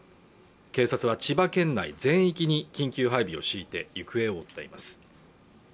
警察は千葉県内全域に緊急配備を敷いて行方を追っています